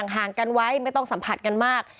ห่างกันไว้ไม่ต้องสัมผัสกันมาก